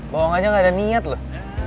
bohong aja gak ada niat loh